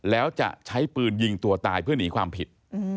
แล้วจะใช้ปืนยิงตัวตายเพื่อหนีความผิด